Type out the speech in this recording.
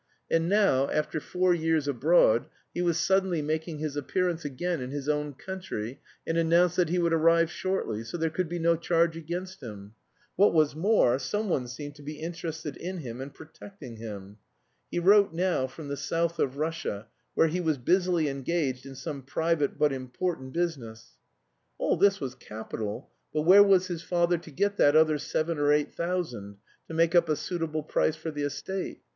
And now, after four years abroad, he was suddenly making his appearance again in his own country, and announced that he would arrive shortly, so there could be no charge against him. What was more, someone seemed to be interested in him and protecting him. He wrote now from the south of Russia, where he was busily engaged in some private but important business. All this was capital, but where was his father to get that other seven or eight thousand, to make up a suitable price for the estate?